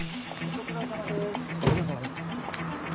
ご苦労さまです。